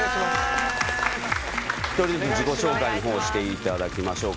一人ずつ自己紹介の方をして頂きましょうか。